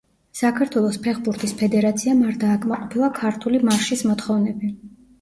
საქართველოს ფეხბურთის ფედერაციამ არ დააკმაყოფილა „ქართული მარშის“ მოთხოვნები.